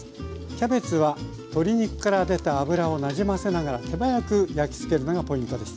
キャベツは鶏肉から出た脂をなじませながら手早く焼き付けるのがポイントです。